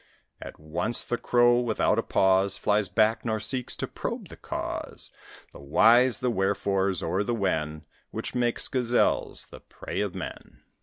At once the Crow, without a pause, Flies back, nor seeks to probe the cause, The whys, the wherefores, or the when Which make Gazelles the prey of men.